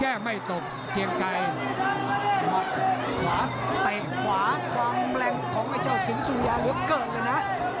แก้งไม่ตกเกียงไก่ขวาแต่ขวาความแรงของไอ้เจ้าเสียงสุยาเหลือเกินเลยน่ะ